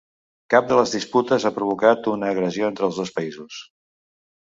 Cap de les disputes ha provocat una agressió entre els dos països.